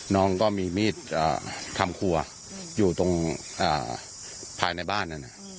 น้องก็มีมีดทำครัวอยู่ตรงภายในบ้านนั้น